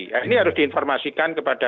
ya ini harus diinformasikan kepada